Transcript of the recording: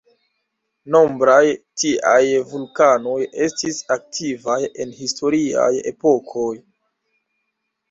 Nombraj tiaj vulkanoj estis aktivaj en historiaj epokoj.